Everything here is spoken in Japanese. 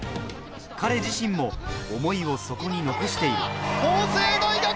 彼自身も思いをそこに残している。